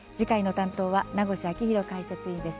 担当は名越章浩解説委員です。